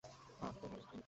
হা, তো বলো।